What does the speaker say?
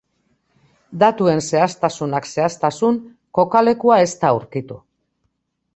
Datuen zehaztasunak zehaztasun, kokalekua ez da aurkitu.